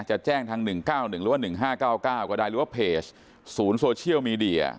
จะแจ้งทางหนึ่งเก้าหนึ่งหรือว่าหนึ่งห้าเก้าเก้าก็ได้หรือว่าเพจศูนย์โซเชียลมีเดีย